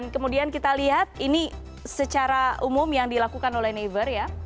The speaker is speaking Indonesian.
kemudian kita lihat ini secara umum yang dilakukan oleh naver ya